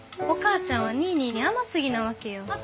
お母ちゃんはニーニーに甘すぎなわけよ。